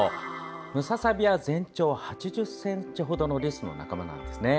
ムササビは全長８０ｃｍほどのリスの仲間なんですね。